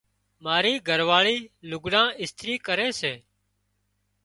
مارِي گھرواۯِي لُگھڙان اِسترِي ڪري سي۔